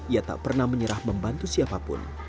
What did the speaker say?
ia tak pernah menyerah membantu siapapun